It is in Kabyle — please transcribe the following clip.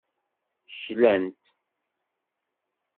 Klan-t.